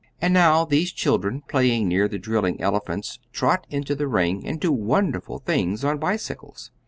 And now these children playing near the drilling elephants trot into the ring and do wonderful things on bicycles.